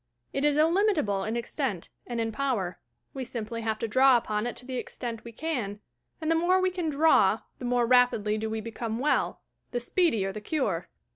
It is illimitable in extent and in power; we simply have to draw upon it to the extent we can; and the more we can "draw," the more rapidly do we become well ; the speedier the cure.